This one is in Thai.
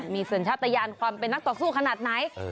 มีสัญชาติยานความเป็นนักต่อสู้ขนาดไหน